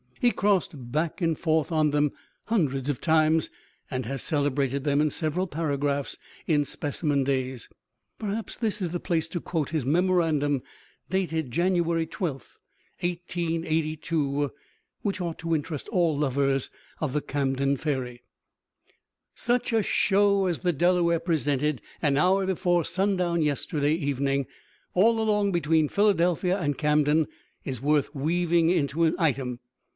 He crossed back and forth on them hundreds of times and has celebrated them in several paragraphs in Specimen Days. Perhaps this is the place to quote his memorandum dated January 12, 1882, which ought to interest all lovers of the Camden ferry: "Such a show as the Delaware presented an hour before sundown yesterday evening, all along between Philadelphia and Camden, is worth weaving into an item.